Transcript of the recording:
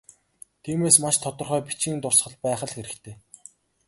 Тиймээс, маш тодорхой бичгийн дурсгал байх л хэрэгтэй.